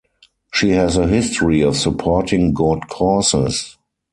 She has a history of supporting good causes.